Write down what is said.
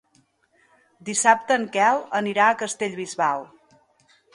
Dissabte en Quel anirà a Castellbisbal.